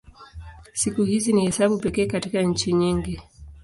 Siku hizi ni hesabu pekee katika nchi nyingi.